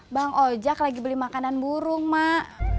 bang ojek lagi beli makanan burung mak